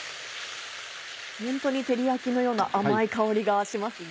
ホントに照り焼きのような甘い香りがしますね。